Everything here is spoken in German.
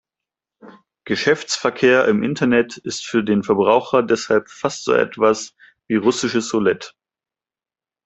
Geschäftsverkehr im Internet ist für den Verbraucher deshalb fast so etwas wie russisches Roulett.